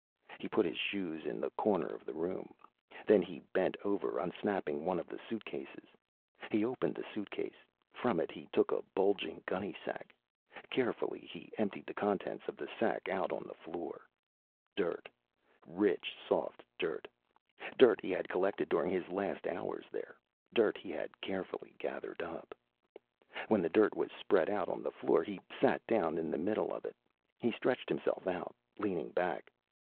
He put his shoes in the corner of the room. Then he bent over, unsnapping one of the suitcases. He opened the suitcase. From it he took a bulging gunnysack. Carefully, he emptied the contents of the sack out on the floor. Dirt, rich soft dirt. Dirt he had collected during his last hours there, dirt he had carefully gathered up. When the dirt was spread out on the floor he sat down in the middle of it. He stretched himself out, leaning back.